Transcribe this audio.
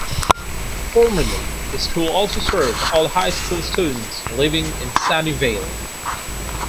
Formerly, the school also served all high school students living in Sunnyvale.